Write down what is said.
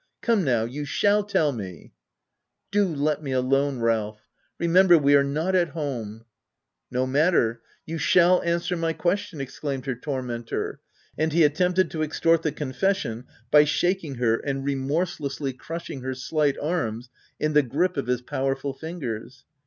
Come now, you shall tell me \*" Do let me alone Ralph ! remember we are not at home/' u No matter : you shall answer my ques tion !* exclaimed her tormentor ; and he at tempted to extort the confession by shaking her and remorsely crushing her slight arms in the gripe of his powerful fingers.